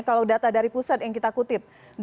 kalau data dari pusat yang kita kutip